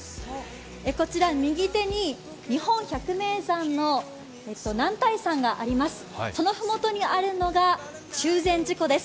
こちら右手に日本百名山の男体山があります。